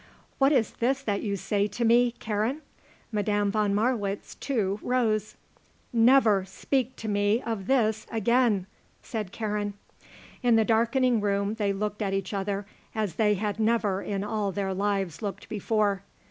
"What is this that you say to me, Karen?" Madame von Marwitz, too, rose. "Never speak to me of this again," said Karen. In the darkening room they looked at each other as they had never in all their lives looked before.